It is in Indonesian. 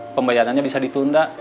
pembayarannya bisa ditunda